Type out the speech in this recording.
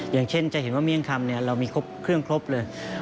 อย่างเช่นจะเห็นว่าเมี่ยงคำเรามีครบเครื่องครบเลย